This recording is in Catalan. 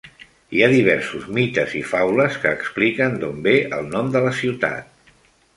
Hi ha diversos mites i faules que expliquen d'on ve el nom de la ciutat.